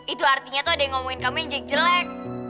itu artinya tuh ada yang ngomongin kamu yang jelek jelek